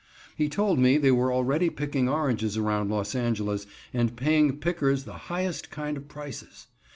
He told me they were already picking oranges around Los Angeles, and paying pickers the highest kind of prices.